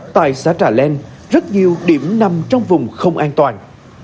tại xã trà len rất nhiều điểm nằm trong vùng không an toàn